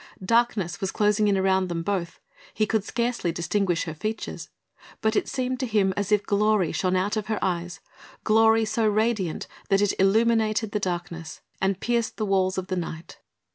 Darkness was closing in around them both; he could scarcely distinguish her features, but it seemed to him as if glory shone out of her eyes, glory so radiant that it illumined the darkness and pierced the walls of the night.